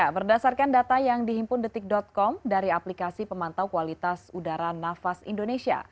berdasarkan data yang dihimpun detik com dari aplikasi pemantau kualitas udara nafas indonesia